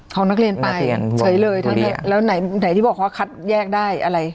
ของนักเรียนไปเฉยเลยแล้วไหนที่บอกว่าคัดแยกได้อะไร